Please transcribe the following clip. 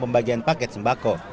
pembagian paket sembako